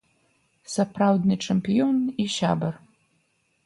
Сапраўдны чэмпіён і сябар.